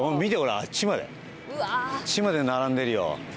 あっちまで並んでるよ。